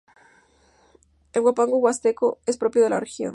El Huapango Huasteco es propio de la región.